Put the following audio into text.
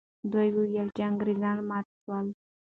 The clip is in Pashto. دوی وویل چې انګریزان مات سول.